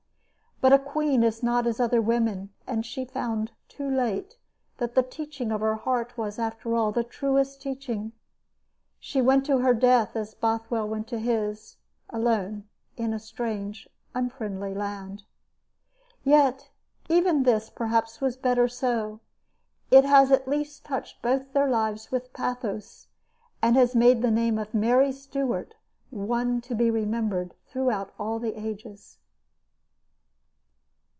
But a queen is not as other women; and she found too late that the teaching of her heart was, after all, the truest teaching. She went to her death as Bothwell went to his, alone, in a strange, unfriendly land. Yet, even this, perhaps, was better so. It has at least touched both their lives with pathos and has made the name of Mary Stuart one to be remembered throughout all the ages.